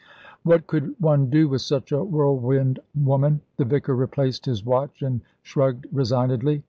What could one do with such a whirlwind woman? The vicar replaced his watch and shrugged resignedly.